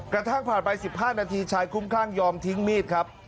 กระทั่งผ่านไปสิบห้านาทีชายคุ้มข้างยอมทิ้งมีดครับ